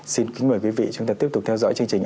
xin kính mời quý vị chúng ta tiếp tục theo dõi chương trình